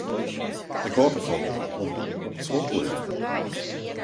Ik hâld derfan om op it strân te lizzen.